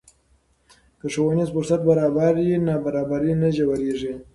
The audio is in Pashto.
که ښوونیز فرصت برابر وي، نابرابري نه ژورېږي.